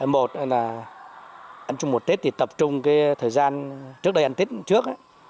một là ăn trồng một tết thì tập trung cái thời gian trước đây ăn tết trước